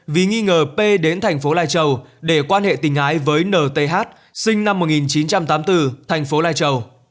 vì nghi ngờ p đến thành phố lai chầu để quan hệ tình hái với nth sinh năm một nghìn chín trăm tám mươi bốn thành phố lai chầu